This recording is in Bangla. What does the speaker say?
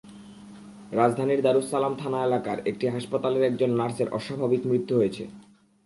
রাজধানীর দারুস সালাম থানা এলাকার একটি হাসপাতালের একজন নার্সের অস্বাভাবিক মৃত্যু হয়েছে।